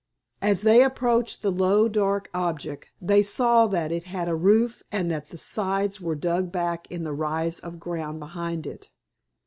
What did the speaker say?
As they approached the low, dark object they saw that it had a roof, and that the sides were dug back in the rise of ground behind it.